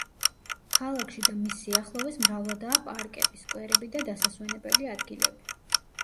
ქალაქში და მის სიახლოვეს მრავლადაა პარკები, სკვერები და დასასვენებელი ადგილები.